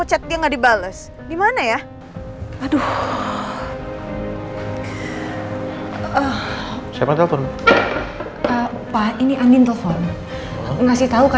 yang di dapur